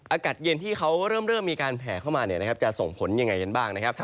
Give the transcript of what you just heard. อากาศเย็นที่เขาเริ่มมีการแผ่เข้ามาจะส่งผลยังไงกันบ้างนะครับ